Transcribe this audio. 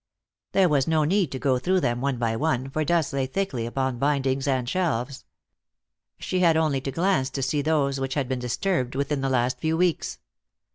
There was no need to go through them one by one, for dust lay thickly upon bindings and shelves. She had only to glance to see those which had been disturbed within the last few weeks.